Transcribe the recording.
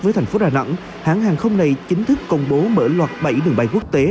với thành phố đà nẵng hãng hàng không này chính thức công bố mở loạt bảy đường bay quốc tế